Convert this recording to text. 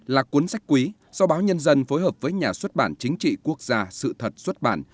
là cuốn sách quý do báo nhân dân phối hợp với nhà xuất bản chính trị quốc gia sự thật xuất bản